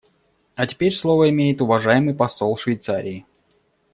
А теперь слово имеет уважаемый посол Швейцарии.